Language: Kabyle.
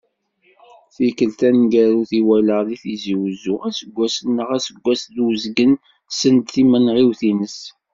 Tikkelt taneggarut i t-walaɣ, deg Tizi Uzzu, aseggas neɣ aseggas d uzgen send timenɣiwt-ines.